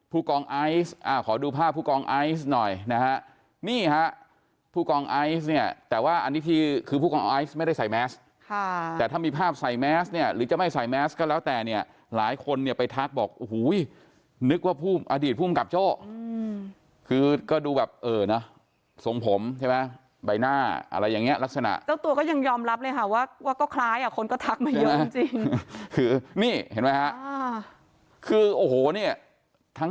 ภูกองไอซ์อ่าขอดูภาพภูกองไอซ์หน่อยนะฮะนี่ฮะภูกองไอซ์เนี่ยแต่ว่าอันนี้ที่คือภูกองไอซ์ไม่ได้ใส่แมสค์ค่ะแต่ถ้ามีภาพใส่แมสค์เนี่ยหรือจะไม่ใส่แมสค์ก็แล้วแต่เนี่ยหลายคนเนี่ยไปทักบอกอุ้ยนึกว่าผู้อดีตผู้มกับโจ้คือก็ดูแบบเอ่อน่ะทรงผมใช่ไหมใบหน้าอะไรอย่างเงี้ยลักษณะ